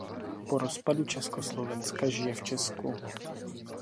Po rozpadu Československa žije v Česku.